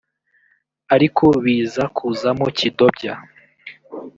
ariko biza kuzamo kidobya